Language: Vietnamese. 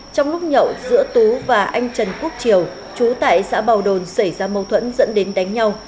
trong lúc nhậu giữa tú và anh trần quốc triều chú tại xã bào đồn xảy ra mâu thuẫn dẫn đến đánh nhau